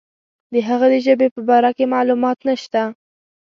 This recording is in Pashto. د هغه د ژبې په باره کې معلومات نشته.